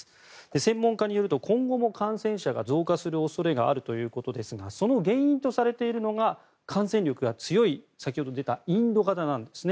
専門家によると今後も感染者が増加する恐れがあるとされていますがその原因とされているのが感染力が強い、先ほど出たインド型なんですね。